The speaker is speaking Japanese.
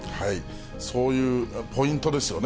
そういうポイントですよね。